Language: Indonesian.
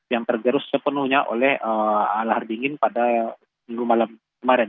yang tergerus sepenuhnya oleh lahar dingin pada minggu malam kemarin